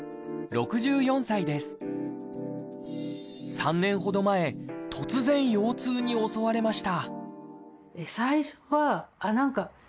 ３年ほど前突然腰痛に襲われました